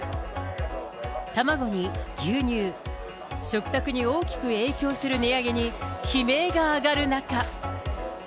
卵に牛乳、食卓に大きく影響する値上げに、悲鳴が上がる中。